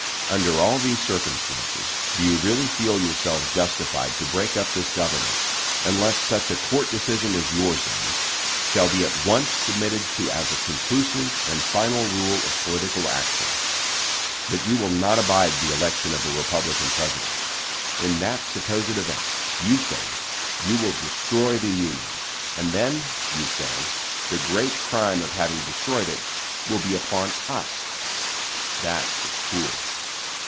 Under all these circumstances, do you really feel yourselves justified to break up this government unless such a court decision as yours is shall be at once submitted to as a conclusive and final rule of political action? But you will not abide the election of a Republican president! In that supposed event, you say, you will destroy the Union; and then, you say, the great crime of having destroyed it will be upon us! That is cool.